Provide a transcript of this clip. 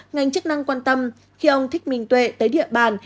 ngành chức năng quan tâm khi ông thích minh tuệ tới địa bàn